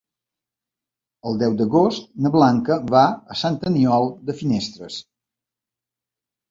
El deu d'agost na Blanca va a Sant Aniol de Finestres.